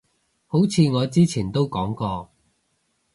好似我之前都講過